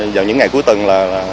vào những ngày cuối tuần là